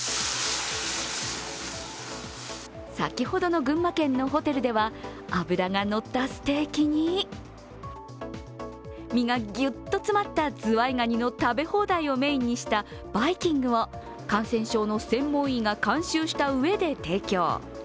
先ほどの群馬県のホテルでは脂がのったステーキに身がギュッと詰まったズワイガニの食べ放題をメインにしたバイキングを感染症の専門医が監修したうえで提供。